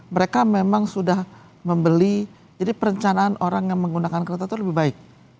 mereka memang sudah membeli jadi perencanaan orang yang menggunakan kereta itu lebih baik